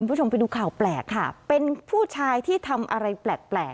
คุณผู้ชมไปดูข่าวแปลกค่ะเป็นผู้ชายที่ทำอะไรแปลกแปลก